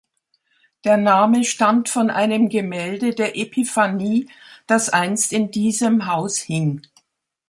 Der Name stammt von einem Gemälde der Epiphanie, das einst in diesem Haus hing.